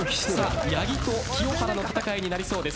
八木と清原の戦いになりそうです。